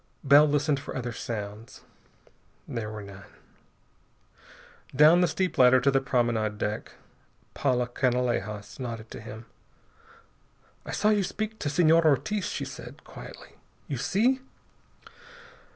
Bell listened for other sounds. There were none. Down the steep ladder to the promenade deck. Paula Canalejas nodded to him. "I saw you speak to Senor Ortiz," she said quietly. "You see?"